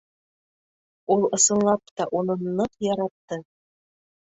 Ул, ысынлап та, уны ныҡ яратты.